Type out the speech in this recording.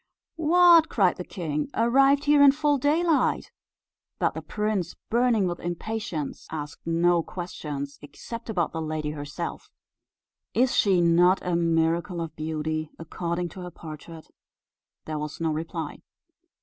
"What!" cried the king; "arrived here in full daylight?" But the prince, burning with impatience, asked no questions, except about the lady herself "Is she not a miracle of beauty according to her portrait?" There was no reply.